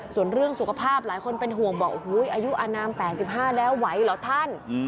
ส่วนเรื่องสุขภาพหลายคนเป็นห่วงบอกโอ้โหอายุอนาม๘๕แล้วไหวเหรอท่าน